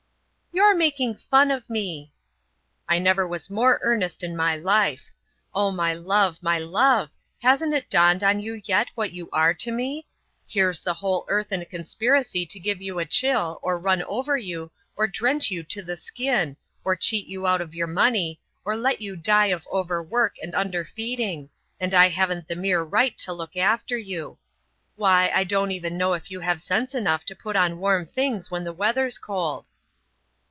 "You're making fun of me!" "I never was more in earnest in my life. Oh, my love, my love, hasn't it dawned on you yet what you are to me? Here's the whole earth in a conspiracy to give you a chill, or run over you, or drench you to the skin, or cheat you out of your money, or let you die of overwork and underfeeding, and I haven't the mere right to look after you. Why, I don't even know if you have sense enough to put on warm things when the weather's cold."